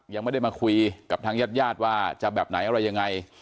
ยังไม่ได้มาคุยกับทางญาติญาติว่าจะแบบไหนอะไรยังไง